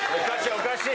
おかしい